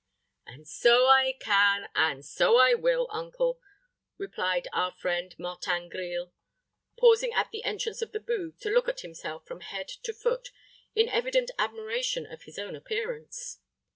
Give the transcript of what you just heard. "And so I can, and so I will, uncle," replied our friend Martin Grille, pausing at the entrance of the booth to look at himself from head to foot, in evident admiration of his own appearance.